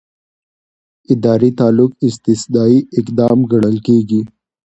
اداري تعلیق استثنايي اقدام ګڼل کېږي.